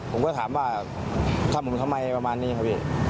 ผมก็ถามว่าทำผมทำไมประมาณนี้ครับพี่